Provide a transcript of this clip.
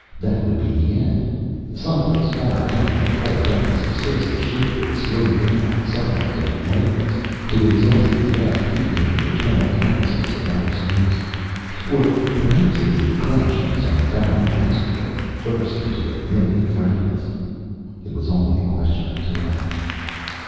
That would be the end. Someplace, far out in the cold darkness of space, the ship would slow down, silent and lifeless, to exhaust its last heat into the eternal timelessness of outer space. Or perhaps it would crash on some barren asteroid, burst into a million fragments. It was only a question of time.